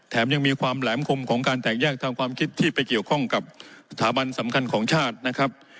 ยังมีความแหลมคมของการแตกแยกทางความคิดที่ไปเกี่ยวข้องกับสถาบันสำคัญของชาตินะครับ